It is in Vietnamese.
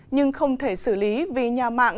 nhưng không thể xử lý vì nhà mạng